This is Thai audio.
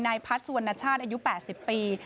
พัฒน์สุวรรณชาติอายุ๘๐ปี